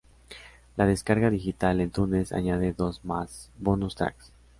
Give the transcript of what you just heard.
La descarga digital en iTunes añade dos más bonus tracks.